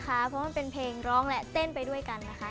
เพราะมันเป็นเพลงร้องและเต้นไปด้วยกันนะคะ